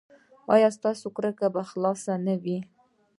ایا ستاسو کړکۍ به خلاصه نه وي؟